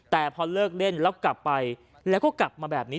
แต่พอเลิกเล่นแล้วกลับไปแล้วก็กลับมาแบบนี้